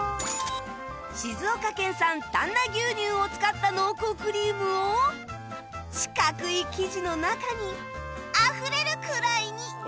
静岡県産丹那牛乳を使った濃厚クリームを四角い生地の中にあふれるくらいにイン！